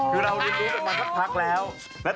คือเรารีบรู้กันมาพักแล้ว